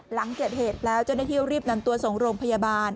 หลังเกิดเหตุแล้วเจ้าหน้าที่รีบนำตัวส่งโรงพยาบาล